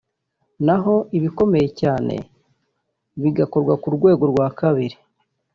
naho ibikomeye cyane bigakorwa ku rwego rwa kabiri